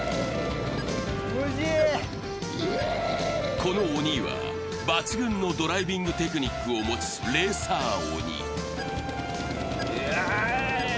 この鬼は、抜群のドライビングテクニックを持つレーサー鬼。